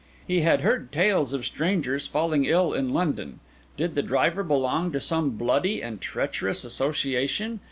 He had heard tales of strangers falling ill in London. Did the driver belong to some bloody and treacherous association?